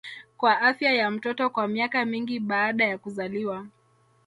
kwa afya ya mtoto kwa miaka mingi baada ya kuzaliwa